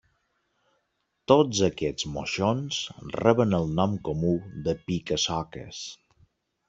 Tots aquests moixons reben el nom comú de pica-soques.